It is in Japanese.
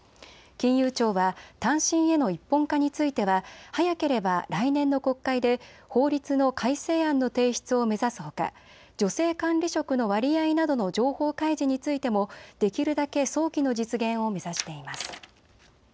金融庁は短信への一本化については早ければ来年の国会で法律の改正案の提出を目指すほか女性管理職の割合などの情報開示についてもできるだけ早期の実現を目指しています。